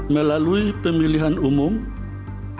melalui pemilihan umumnya